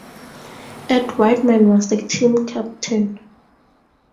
Ed Whiteman was the team captain.